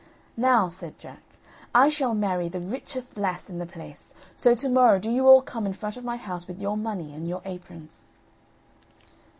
"Now," said Jack, "I shall marry the richest lass in the place; so tomorrow do you all come in front of my house with your money in your aprons."